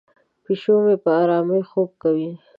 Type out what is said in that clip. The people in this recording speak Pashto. پیشو مې په آرامۍ خوب کوي.